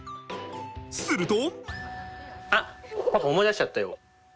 すると。